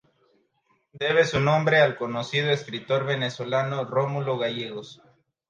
Debe su nombre al conocido escritor venezolano Rómulo Gallegos.